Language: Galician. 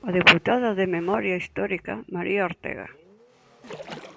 A deputada de Memoria Histórica, María Ortega.